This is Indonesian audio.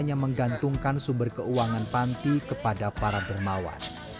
dan juga menggantungkan sumber keuangan panti kepada para bermawan